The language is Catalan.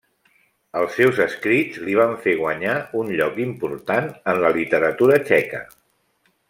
Els seus escrits li van fer guanyar un lloc important en la literatura txeca.